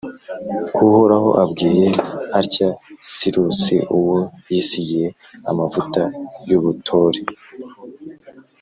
uhoraho abwiye atya sirusi, uwo yisigiye amavuta y’ubutore :